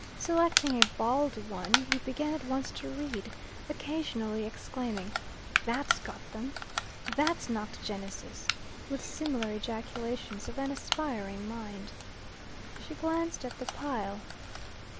Selecting a bald one, he began at once to read, occasionally exclaiming, "That's got them," "That's knocked Genesis," with similar ejaculations of an aspiring mind. She glanced at the pile.